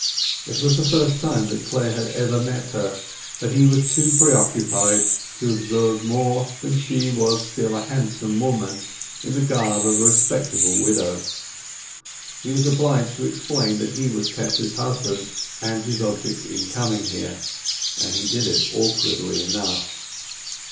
This was the first time that Clare had ever met her, but he was too preoccupied to observe more than that she was still a handsome woman, in the garb of a respectable widow. He was obliged to explain that he was Tess's husband, and his object in coming there, and he did it awkwardly enough.